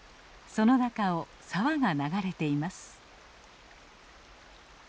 その中を沢が流れています。